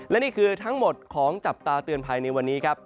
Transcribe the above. และนี่คือทั้งหมดของจับตาเตือนภัยในวันนี้ครับ